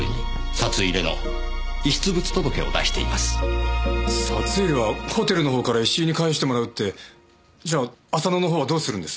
札入れはホテルのほうから石井に返してもらうってじゃあ浅野のほうはどうするんです？